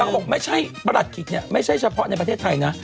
บอกไม่ใช่ประหลัดขิกเนี่ยไม่ใช่เฉพาะในประเทศไทยนะ